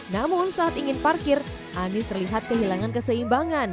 namun saat ingin parkir anies terlihat kehilangan keseimbangan